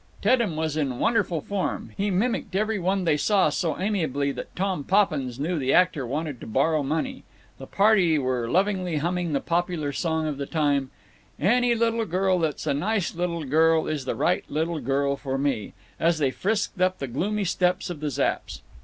Teddem was in wonderful form; he mimicked every one they saw so amiably that Tom Poppins knew the actor wanted to borrow money. The party were lovingly humming the popular song of the time—"Any Little Girl That's a Nice Little Girl is the Right Little Girl for Me"—as they frisked up the gloomy steps of the Zapps.